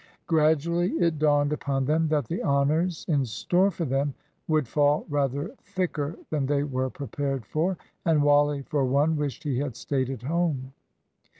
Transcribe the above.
Gradually it dawned upon them that the honours in store for them would fall rather thicker than they were prepared for; and Wally, for one, wished he had stayed at home.